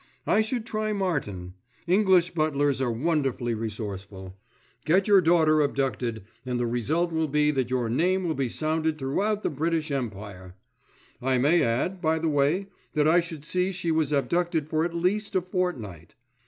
I should try Martin. English butlers are wonderfully resourceful. Get your daughter abducted and the result will be that your name will be sounded throughout the British Empire. I may add, by the way, that I should see she was abducted for at least a fortnight.